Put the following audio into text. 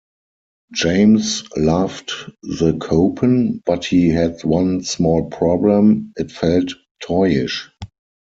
James loved the Copen, but he had one small problem: it felt "toy-ish".